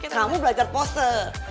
kamu belajar pose